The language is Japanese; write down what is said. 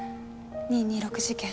二・二六事件。